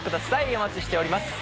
お待ちしております。